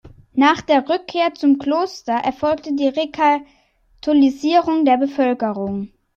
Nach der Rückkehr zum Kloster erfolgte die Rekatholisierung der Bevölkerung.